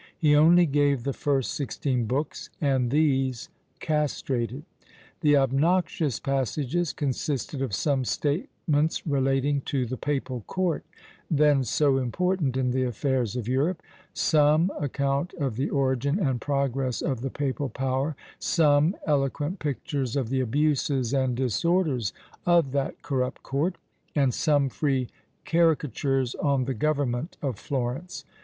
He only gave the first sixteen books, and these castrated. The obnoxious passages consisted of some statements relating to the papal court, then so important in the affairs of Europe; some account of the origin and progress of the papal power; some eloquent pictures of the abuses and disorders of that corrupt court; and some free caricatures on the government of Florence.